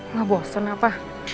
nggak bosen apa